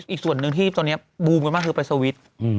อีกส่วนหนึ่งที่อีกตอนนี้ปุ่มกันมากคือไปสวิสที่